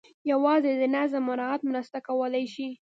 یوازې د نظم مراعات مرسته کولای شي.